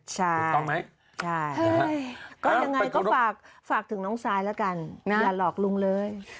ใช่ใช่คืออย่างไรก็ฝากฝากถึงน้องซายแล้วกันอย่าหลอกลุงเลย